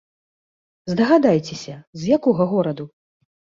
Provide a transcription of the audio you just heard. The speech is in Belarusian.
Здагадайцеся, з якога гораду?